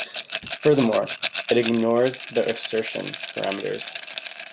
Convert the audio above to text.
Furthermore, it ignores the assertion parameters.